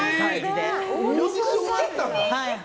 オーディションあったんだ。